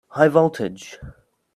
High voltage!